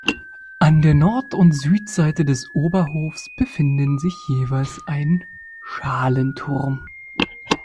An der Nord- und Südseite des Oberhofs befinden sich jeweils ein Schalenturm.